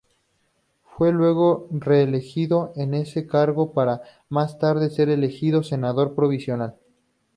Fue luego reelegido en ese cargo, para más tarde ser elegido senador provincial.